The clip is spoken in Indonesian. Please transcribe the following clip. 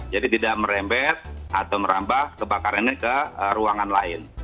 jadi tidak merembet atau merambah kebakarannya ke ruangan lain